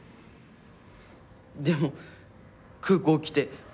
でも空港来て